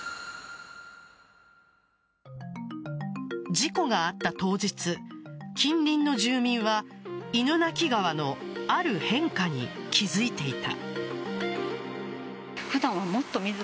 事故があった当日、近隣の住民は犬鳴川のある変化に気付いていた。